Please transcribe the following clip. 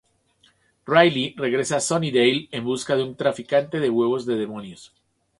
Riley regresa a Sunnydale en busca de un traficante de huevos de demonios.